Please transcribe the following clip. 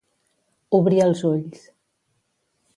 Obrir els ulls.